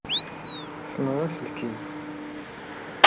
Tessenseḍ aselkim.